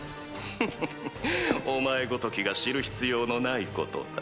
フフフお前ごときが知る必要のないことだ。